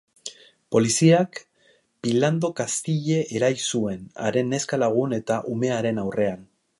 Poliziak Philando Castile erail zuen, haren neska-lagun eta umearen aurrean.